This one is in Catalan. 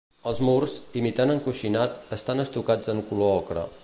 Els murs, imitant encoixinat, estan estucats en color ocre.